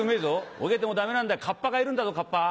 「泳げてもダメなんだカッパがいるんだぞカッパ」。